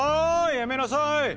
やめなさい！